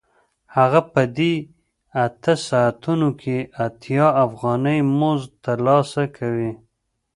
هغه په دې اته ساعتونو کې اتیا افغانۍ مزد ترلاسه کوي